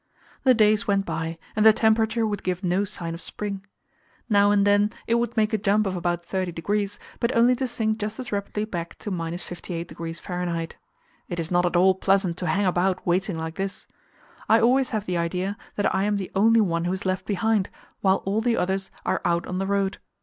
The days went by, and the temperature would give no sign of spring; now and then it would make a jump of about thirty degrees, but only to sink just as rapidly back to 58° F. It is not at all pleasant to hang about waiting like this; I always have the idea that I am the only one who is left behind, while all the others are out on the road.